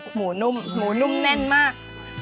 หมูนุ่มหมูนุ่มแน่นมาก